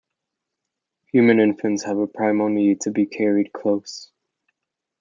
Human infants have a primal need to be carried close.